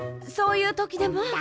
そういうときでも。